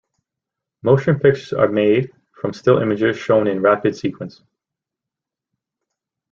Motion pictures are made from still images shown in rapid sequence.